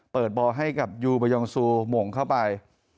เปิดบอลให้กับยูบายองซูหม่งเข้าไป